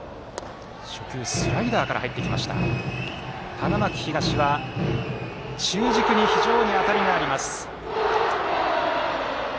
花巻東は中軸に非常に当たりがあります。